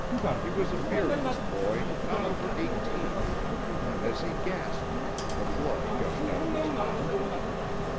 He was a beardless boy, not over eighteen, and as he gasped, the blood gushed out of his mouth.